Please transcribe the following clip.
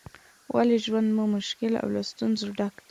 ولې ژوند مو مشکل او له ستونزو ډک دی؟